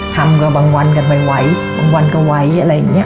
ทำก็บางวันกันไหวบางวันก็ไว้อะไรอย่างนี้